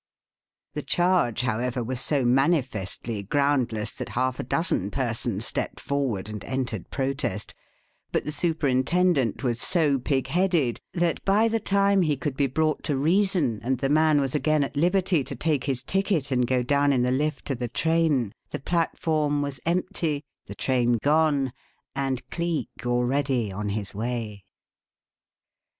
The charge, however, was so manifestly groundless that half a dozen persons stepped forward and entered protest; but the superintendent was so pig headed that by the time he could be brought to reason, and the man was again at liberty to take his ticket and go down in the lift to the train, the platform was empty, the train gone, and Cleek already on his way.